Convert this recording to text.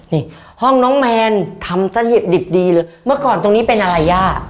นี่ห้องน้องแมนทำซะดิบดิบดีเลยเมื่อก่อนตรงนี้เป็นอะไรย่า